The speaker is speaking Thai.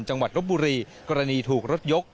จังหวัดรบบุรีกรณีถูกรดยก